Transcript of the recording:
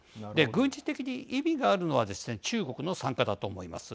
軍事的に意味があるのはですね中国の参加だと思います。